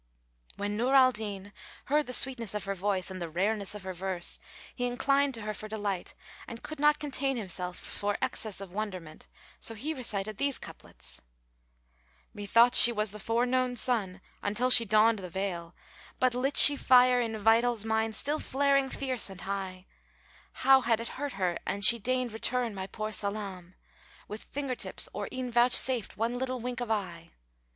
"[FN#434] When Nur al Din heard the sweetness of her voice and the rareness of her verse, he inclined to her for delight and could not contain himself for excess of wonderment; so he recited these couplets, "Methought she was the forenoon sun until she donned the veil * But lit she fire in vitals mine still flaring fierce and high, How had it hurt her an she deigned return my poor salám * With fingertips or e'en vouchsafed one little wink of eye?